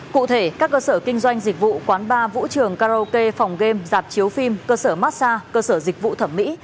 cụ thể các cơ sở kinh doanh dịch vụ quán bar vũ trường karaoke phòng game dạp chiếu phim cơ sở massage cơ sở dịch vụ thẩm mỹ